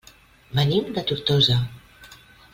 Venim de Tortosa.